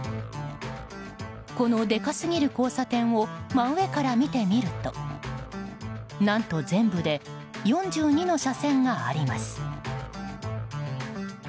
このでかすぎる交差点を真上から見てみると何と全部で４２の車線があります。